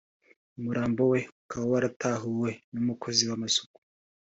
umurambo we ukaba waratahuwe n’umukozi w’amasuku